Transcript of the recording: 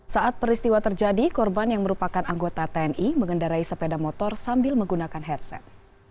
saat peristiwa terjadi korban yang merupakan anggota tni mengendarai sepeda motor sambil menggunakan headset